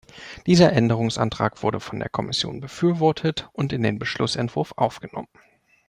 Dieser Änderungsantrag wurde von der Kommission befürwortet und in den Beschlussentwurf aufgenommen.